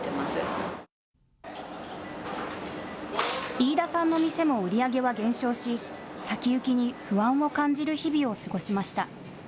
飯田さんの店も売り上げは減少し先行きに不安を感じる日々を過ごしました。